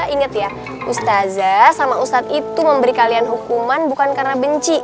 ingat ya ustazah sama ustadz itu memberi kalian hukuman bukan karena benci